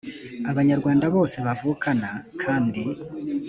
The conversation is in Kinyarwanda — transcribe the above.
abanyarwanda bose bavukana kandi